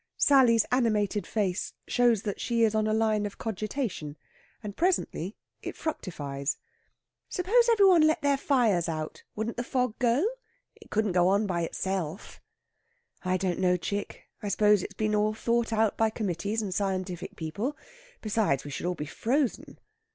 Sally's animated face shows that she is on a line of cogitation, and presently it fructifies. "Suppose every one let their fires out, wouldn't the fog go? It couldn't go on by itself." "I don't know, chick. I suppose it's been all thought out by committees and scientific people. Besides, we should all be frozen."